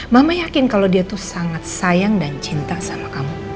mama yakin kalau dia tuh sangat sayang dan cinta sama kamu